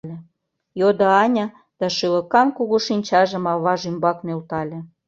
— йодо Аня да шӱлыкан кугу шинчажым аваж ӱмбак нӧлтале.